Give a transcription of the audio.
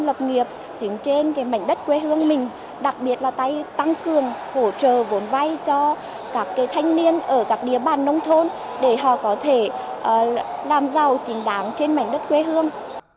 lập nghiệp chính trên cái mảnh đất quê hương mình đặc biệt là tay tăng cường hỗ trợ vốn vay cho các thanh niên ở các địa bàn nông thôn để họ có thể làm giàu chính đáng trên mảnh đất quê hương